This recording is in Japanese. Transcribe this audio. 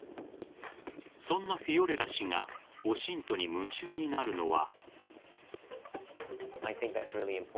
そんなフィオレラ氏がＯＳＩＮＴに夢中になるのは。